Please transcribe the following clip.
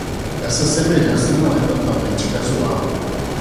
Essa semelhança não é totalmente casual.